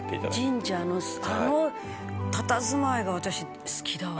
神社のあのたたずまいが私好きだわ。